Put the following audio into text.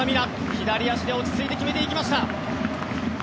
左足で落ち着いて決めていきました。